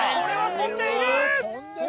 飛んでる！